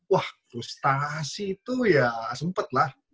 wah frustasi itu ya sempet lah